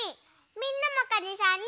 みんなもかにさんに。